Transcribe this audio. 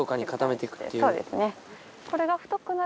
そうですね。